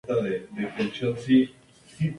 Inicialmente se descubrió en Costa Rica.